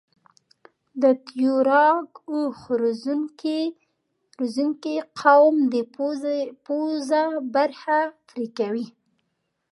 د تویراګ اوښ روزنکي قوم د پوزه برخه پرې کوي.